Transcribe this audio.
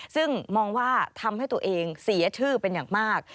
ซึ่งมองว่าทำให้ตัวเองเสียชื่อเป็นอย่างมาก